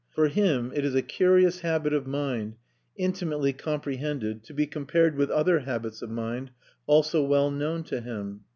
For him it is a curious habit of mind, intimately comprehended, to be compared with other habits of mind, also well known to him.